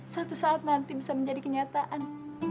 suatu saat nanti bisa menjadi kenyataan